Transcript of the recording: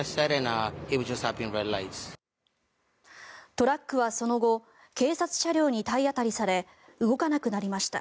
トラックはその後警察車両に体当たりされ動かなくなりました。